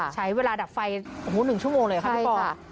ใช้เวลาดับไฟ๑ชั่วโมงเลยครับพี่ปอล์